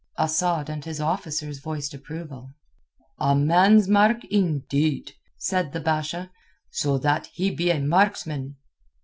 Asad and his officers voiced approval. "A man's mark, indeed," said the Basha, "so that he be a marksman."